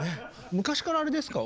昔からあれですか？